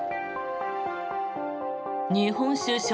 日本酒、笑